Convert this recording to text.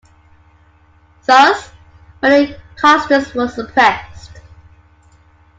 Thus, many customs were suppressed.